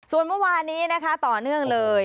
ส่วนเมื่อวานนี้นะคะต่อเนื่องเลย